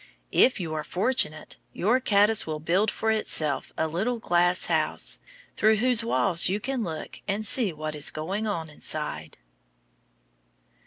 If you are fortunate, your caddice will build for itself a little glass house, through whose walls you can look and see what is going on inside.